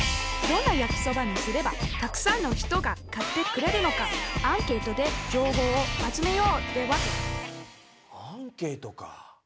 どんな焼きそばにすればたくさんの人が買ってくれるのかアンケートで情報を集めようってわけアンケートか。